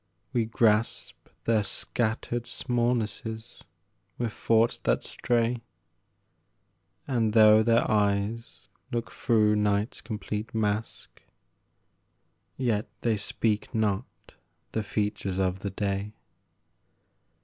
We grasp Their scattered smallnesses with thoughts that stray, And, though their eyes look through night's complete mask, Yet they speak not the features of the day.